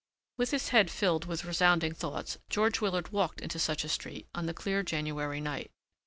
With his head filled with resounding thoughts, George Willard walked into such a street on the clear January night.